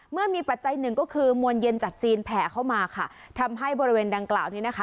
เมื่อมีปัจจัยหนึ่งก็คือมวลเย็นจากจีนแผ่เข้ามาค่ะทำให้บริเวณดังกล่าวนี้นะคะ